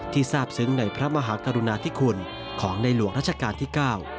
ทราบซึ้งในพระมหากรุณาธิคุณของในหลวงราชการที่๙